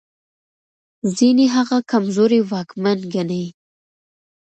ځينې هغه کمزوری واکمن ګڼي.